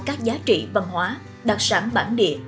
các giá trị văn hóa đặc sản bản địa